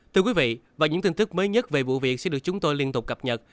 thưa quý vị và những tin tức mới nhất về vụ việc sẽ được chúng tôi liên tục cập nhật